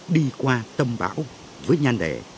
đi qua tâm bão với nhan đẻ